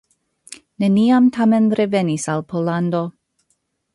Neniam tamen revenis al Pollando.